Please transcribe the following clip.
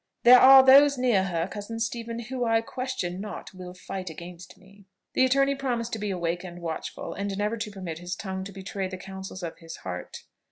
There are those near her, cousin Stephen, who I question not will fight against me." The attorney promised to be awake and watchful, and never to permit his tongue to betray the counsels of his heart.